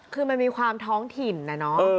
คือมันมีความท้องถิ่นนะเนาะ